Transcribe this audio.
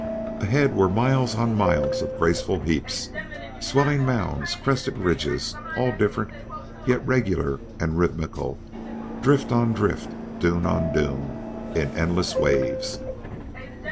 Ahead were miles on miles of graceful heaps, swelling mounds, crested ridges, all different, yet regular and rhythmical, drift on drift, dune on dune, in endless waves.